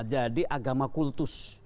jadi agama kultus